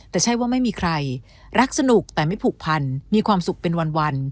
แต่ใช่ว่าไม่มีใครรักสนุกแต่ไม่ผูกพันมีความสุขเป็นวัน